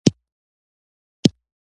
نو د سید جمال الدین افغاني څه ګناه ده.